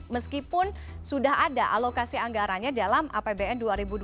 meskipun sudah ada alokasi anggarannya dalam apbn dua ribu dua puluh